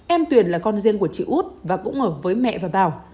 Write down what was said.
em tuyền là con riêng của chị út và cũng ở với mẹ và bảo